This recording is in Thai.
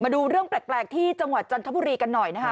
ดูเรื่องแปลกที่จังหวัดจันทบุรีกันหน่อยนะคะ